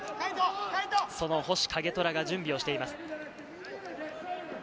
星景虎が準備をしています。